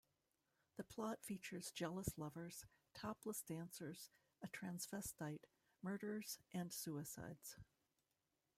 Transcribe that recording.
The plot features jealous lovers, topless dancers, a transvestite, murders and suicides.